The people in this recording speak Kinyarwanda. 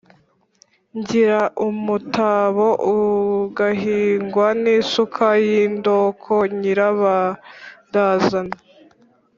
Ngira umutabo ugahingwa n'isuka y'indoko-nyirabarazana.